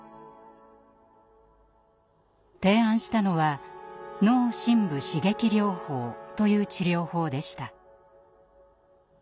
提案したのは「脳深部刺激療法」という治療法でした。